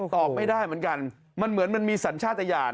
ตอบไม่ได้เหมือนกันมันเหมือนมันมีสัญชาติยาน